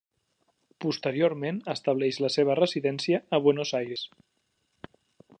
Posteriorment estableix la seva residència a Buenos Aires.